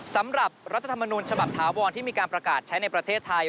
รัฐธรรมนูญฉบับถาวรที่มีการประกาศใช้ในประเทศไทย